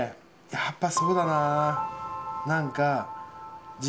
やっぱそうだな。